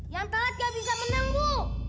yang telat gak bisa menang bu